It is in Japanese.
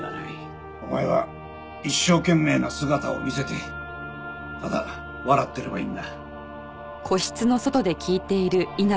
お前は一生懸命な姿を見せてただ笑ってればいいんだ。